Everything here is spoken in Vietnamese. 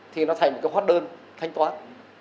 thì nó thành một cái hoát đơn thanh toán